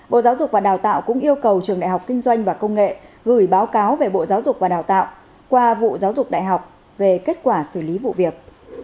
bộ giáo dục và đào tạo cũng yêu cầu trường đại học kinh doanh và công nghệ gửi báo cáo về bộ giáo dục và đào tạo qua vụ giáo dục đại học về kết quả xử lý vụ việc